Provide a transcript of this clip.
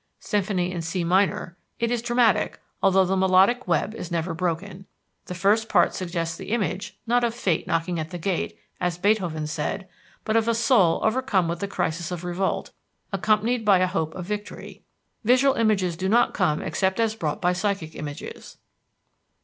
Symphony in C minor it is dramatic, although the melodic web is never broken. The first part suggests the image, not of Fate knocking at the gate, as Beethoven said, but of a soul overcome with the crises of revolt, accompanied by a hope of victory. Visual images do not come except as brought by psychic images."